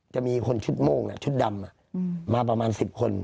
จะมีคนชุดโม่งชุดดำมาประมาณ๑๐คน